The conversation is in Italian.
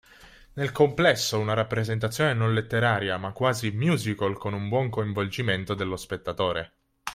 Nel complesso una rappresentazione non letteraria, ma quasi musical con un buon coinvolgimento dello spettatore.